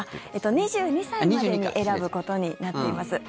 ２２歳までに選ぶことになっています。